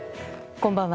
こんばんは。